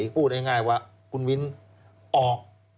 พูดง่ายว่าคุณมิ้นออก